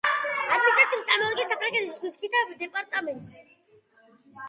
ადმინისტრაციულად წარმოადგენს საფრანგეთის ზღვისიქითა დეპარტამენტს.